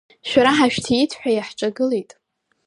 Шәара ҳашәҭиит ҳәа иаҳҿагылеит.